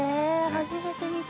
初めて見た。